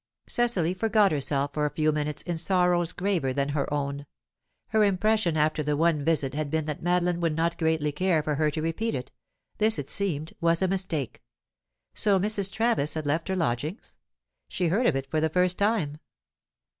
Cecily forgot herself for a few minutes in sorrows graver than her own. Her impression after the one visit had been that Madeline would not greatly care for her to repeat it; this, it seemed, was a mistake. So Mrs. Travis had left her lodgings? She heard of it for the first time.